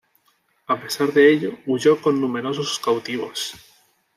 A pesar de ello, huyó con numerosos cautivos.